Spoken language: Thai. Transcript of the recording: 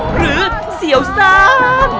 หรือเสียวสั้น